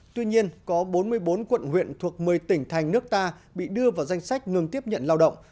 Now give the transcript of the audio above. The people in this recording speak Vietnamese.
tuy nhiên có bốn mươi bốn quận huyện thuộc một mươi tỉnh thành nước ta bị đưa vào danh sách ngừng tiếp nhận lao động